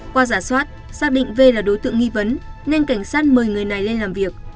qua giả soát xác định v là đối tượng nghi vấn nên cảnh sát mời người này lên làm việc